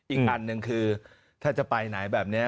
อีกอันหนึ่งคือถ้าจะไปไหนแบบนี้